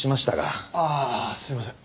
ああすみません。